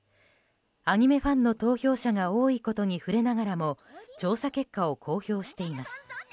アニメファンの投票者が多いことに触れながらも調査結果を公表しています。